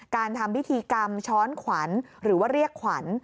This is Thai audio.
การทำพิธีกรรมช้อนขวัญหรือว่าเรียกขวัญ